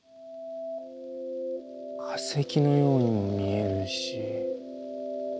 化石のようにも見えるし。